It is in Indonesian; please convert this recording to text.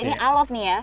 berarti ini alof nih ya